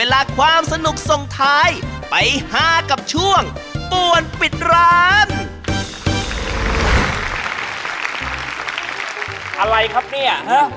อะไรครับเนี่ยหัวขับโมไซล์มานั่งโต๊ะโกลกูทั่งที่ไหนเนี่ย